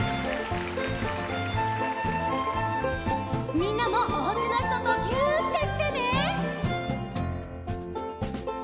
みんなもおうちのひととぎゅってしてね！